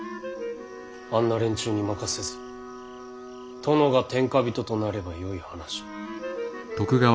あんな連中に任せず殿が天下人となればよい話。